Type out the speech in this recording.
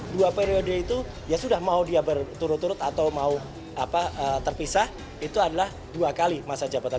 dua periode itu ya sudah mau dia berturut turut atau mau terpisah itu adalah dua kali masa jabatan